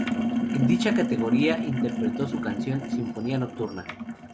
En dicha categoría interpretó su canción ""Sinfonía Nocturna"".